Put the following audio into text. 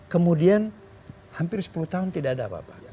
kemudian hampir sepuluh tahun tidak ada apa apa